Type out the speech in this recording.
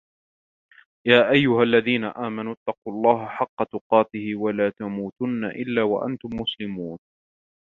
يَا أَيُّهَا الَّذِينَ آمَنُوا اتَّقُوا اللَّهَ حَقَّ تُقَاتِهِ وَلَا تَمُوتُنَّ إِلَّا وَأَنْتُمْ مُسْلِمُونَ